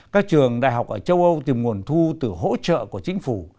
các trường đại học ở châu âu tìm nguồn thu từ hỗ trợ của chính phủ